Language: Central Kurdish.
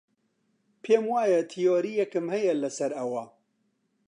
پێم وایە تیۆرییەکم هەیە لەسەر ئەوە.